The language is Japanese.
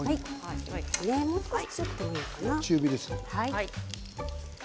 もう少し強くてもいいのかな。